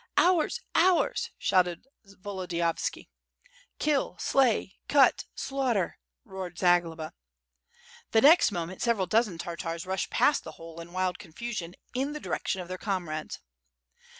"Ours, ours!" shouted Volodiyovski. "Kill, slay, cut, slaughter!" roared Zagloba. The next moment several dozen Tartars rushed past the hole in wild confusion in the direction of their comrades.